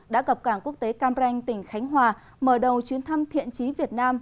đã gặp cảng quốc tế cam ranh tỉnh khánh hòa mở đầu chuyến thăm thiện trí việt nam